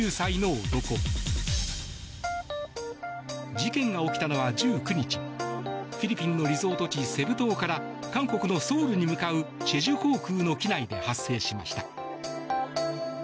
事件が起きたのは１９日フィリピンのリゾート地セブ島から韓国のソウルに向かうチェジュ航空の機内で発生しました。